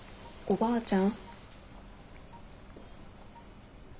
ばあちゃん。